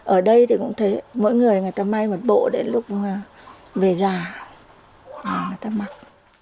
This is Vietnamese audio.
ở đây thì cũng thấy mỗi người người ta may một bộ đến lúc về già người ta mặc